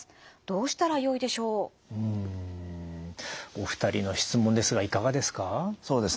お二人の質問ですがいかがですか？